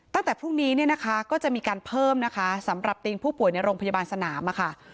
ตั้งแต่พรุ่งนี้ก็จะมีการเพิ่มสำหรับติงผู้ป่วยในโรงพยาบาลสนาม